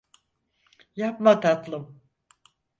Yapma tatlım.